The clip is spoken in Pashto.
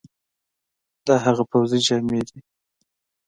دا هغه پوځي جامي دي،